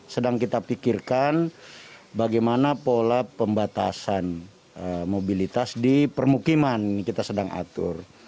sedang kita pikirkan bagaimana pola pembatasan mobilitas di permukiman kita sedang atur